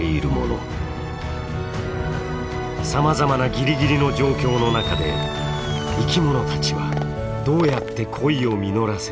さまざまなギリギリの状況の中で生きものたちはどうやって恋を実らせるのか。